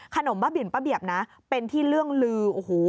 ขนมบ้าบิลป้าเบียบนะเป็นที่เรื่องลือ